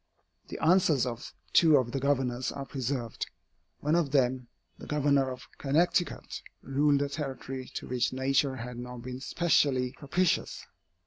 The answers of two of the Governors are preserved. One of them, the Governor of Connecticut, ruled a territory to which nature had not been specially propitious.